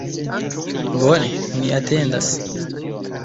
Bone, mi atendas